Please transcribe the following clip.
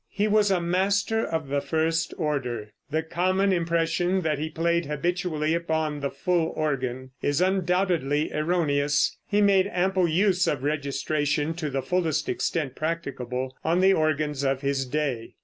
He was a master of the first order. The common impression that he played habitually upon the full organ is undoubtedly erroneous. He made ample use of registration to the fullest extent practicable on the organs of his day.